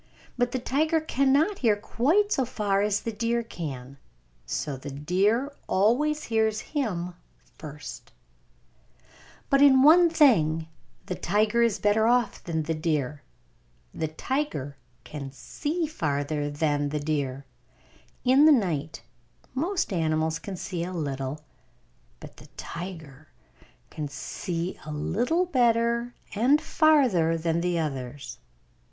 But the tiger cannot hear quite so far as the deer can. So the deer always hears him first! But in one thing the tiger is better off than the deer: the tiger can see farther than the deer. In the night most animals can see a little, but the tiger can see a little better and farther than the others.